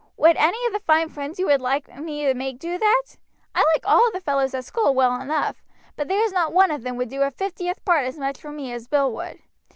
"Would any of the fine friends you would like me to make do that? I like all the fellows at school well enough, but there is not one of them would do a fiftieth part as much for me as Bill would.